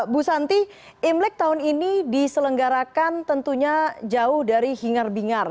bu santi imlek tahun ini diselenggarakan tentunya jauh dari hingar bingar